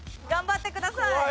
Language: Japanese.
頑張ってください。